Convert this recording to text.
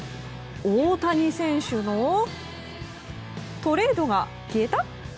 大谷選手のトレードが消えた？